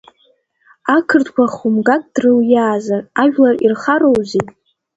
Ақырҭқәа хәымгак дрылиаазар, ажәлар ирхароузеи?